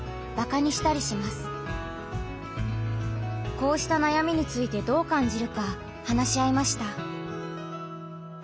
こうした悩みについてどう感じるか話し合いました。